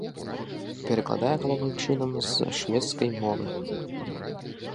Перакладае галоўным чынам з шведскай мовы.